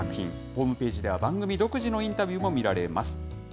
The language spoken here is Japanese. ホームページでは番組独自のインタビューも見られます。